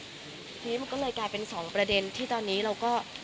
ทีนี้มันก็เลยกลายเป็นสองประเด็นที่ตอนนี้เราก็